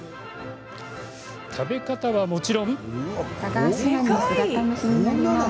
食べ方はもちろん。